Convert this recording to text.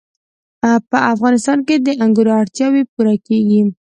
په افغانستان کې د انګورو اړتیاوې پوره کېږي.